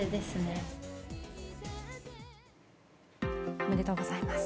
おめでとうございます。